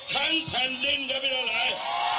ทั้งพันธุ์ดินกับวิทยาลัย